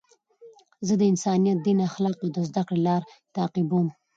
زه د انسانیت، دین، اخلاقو او زدهکړي لار تعقیبوم.